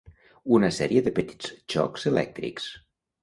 Una sèrie de petits xocs elèctrics